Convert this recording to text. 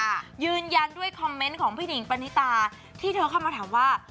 ยืนยันด้วยคอมเมนต์ของพี่หนิงปณิตาที่เธอเข้ามาถามว่า